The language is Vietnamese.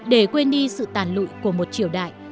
để quên đi sự tàn lụi của một triều đại